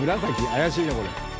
怪しいなこれ。